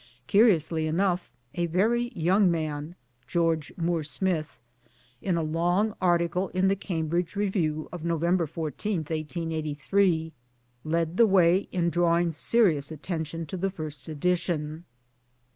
Curiously enough, a very young man (George Moore Smith) in a long article in the Cambridge Review of Novem ber 14, 1883, led the way in drawing serious atten tion to the first edition.